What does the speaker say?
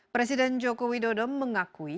presiden joko widodo mengakui